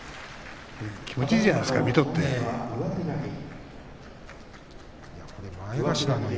気持ちいいじゃないですか見ていてね。